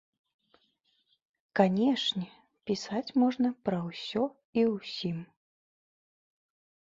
Канешне, пісаць можна пра ўсё і ўсім.